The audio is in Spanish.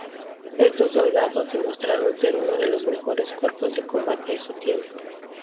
Estos soldados demostraron ser uno de los mejores cuerpos de combate de su tiempo.